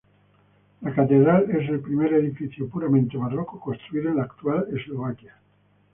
La catedral es el primer edificio puramente barroco construida en la actual Eslovaquia.